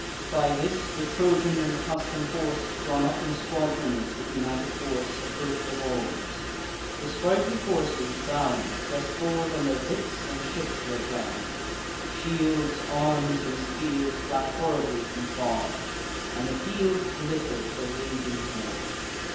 By this, the Trojan and the Tuscan horse, Drawn up in squadrons, with united force, Approach the walls: the sprightly coursers bound, Press forward on their bits, and shift their ground. Shields, arms, and spears flash horribly from far; And the fields glitter with a waving war.